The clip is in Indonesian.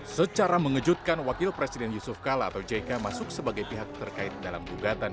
secara mengejutkan wakil presiden yusuf kala atau jk masuk sebagai pihak terkait dalam gugatan